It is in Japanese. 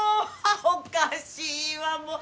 おかしいわもう。